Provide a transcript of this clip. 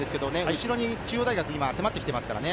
後ろに中央大学が迫ってきていますからね。